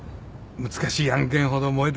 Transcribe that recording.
難しい案件ほど燃えたよな。